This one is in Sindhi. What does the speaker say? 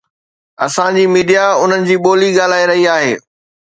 اسان جي ميڊيا انهن جي ٻولي ڳالهائي رهي آهي.